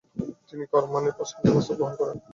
তিনি কারামানের শান্তিপ্রস্তাব গ্রহণ করেন।